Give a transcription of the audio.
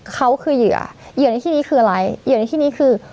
เขาคือเหยื่อเหยื่อในที่นี้คืออะไรเหยื่อในที่นี้คือ